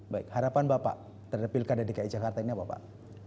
baik harapan bapak terhadap pilkada dki jakarta ini apa pak